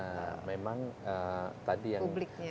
nah memang tadi yang pada si cerita